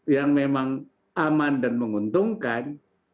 yang memang aman dan menguntungkan